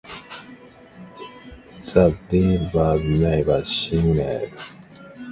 The deal was never signed.